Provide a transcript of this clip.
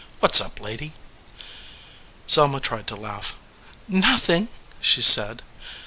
What s up, lady ?" Selma tried to laugh. "Nothing," she said.